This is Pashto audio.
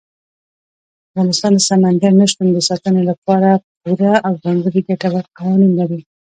افغانستان د سمندر نه شتون د ساتنې لپاره پوره او ځانګړي ګټور قوانین لري.